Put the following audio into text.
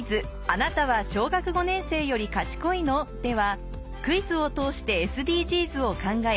あなたは小学５年生より賢いの？』ではクイズを通してＳＤＧｓを考え